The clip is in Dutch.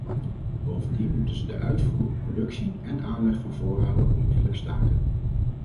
Bovendien moeten ze de uitvoer, productie en aanleg van voorraden onmiddellijk staken.